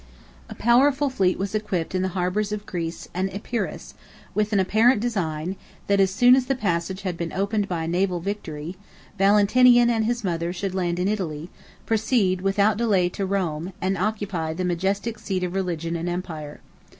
A powerful fleet was equipped in the harbors of Greece and Epirus, with an apparent design, that, as soon as the passage had been opened by a naval victory, Valentinian and his mother should land in Italy, proceed, without delay, to Rome, and occupy the majestic seat of religion and empire.